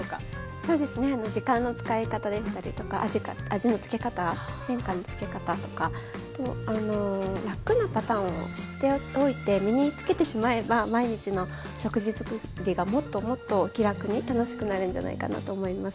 そうですね時間の使い方でしたりとか味の付け方変化のつけ方とか楽なパターンを知っておいて身につけてしまえば毎日の食事作りがもっともっと気楽に楽しくなるんじゃないかなと思います。